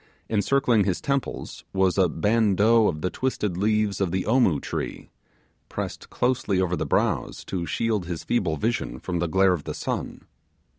Encircling his temples was a bandeau of the twisted leaves of the Omoo tree, pressed closely over the brows to shield his feeble vision from the glare of the sun.